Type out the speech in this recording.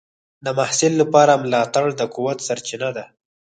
د محصل لپاره ملاتړ د قوت سرچینه ده.